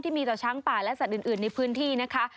มีต่อช้างป่าและสัตว์อื่นในพื้นที่นะคะ